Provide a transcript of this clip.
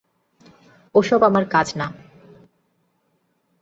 ওসব আমার কাজ না।